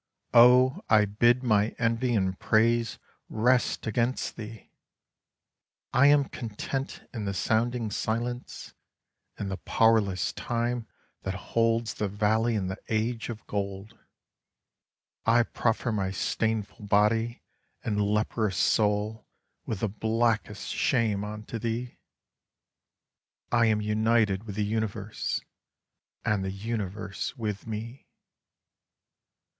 O, I bid my txivy and praise rest against thee ; 1 am content in the sounding Silence, in the powerless Time that holds the Valley in the age of gold ; I proffer my stainful body and leprous soul with blackest Song of Day in Yosemite Valley 23 shame unto thee ; I am united with the Universe, and the Universe with me.